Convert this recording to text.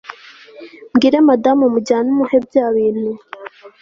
mbwire madamu mujyane umuhe byabintu